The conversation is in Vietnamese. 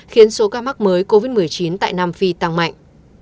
khiến số ca mắc mới covid một mươi chín tại nam phi tăng mạnh